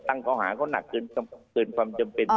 ข้อหาเขาหนักเกินความจำเป็น